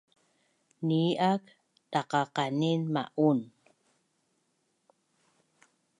ni’ak daqdaqanin ma’un